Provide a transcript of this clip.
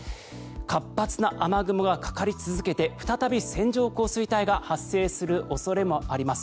活発な雨雲がかかり続けて再び線状降水帯が発生する恐れがあります。